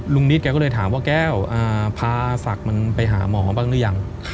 นิดแกก็เลยถามว่าแก้วพาศักดิ์มันไปหาหมอบ้างหรือยัง